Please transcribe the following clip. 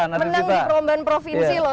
menang di perlombaan provinsi loh